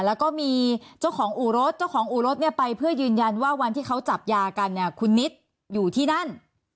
แล้วก็มีเจ้าของอู่รถเจ้าของอู่รถเนี่ยไปเพื่อยืนยันว่าวันที่เขาจับยากันเนี่ยคุณนิดอยู่ที่นั่น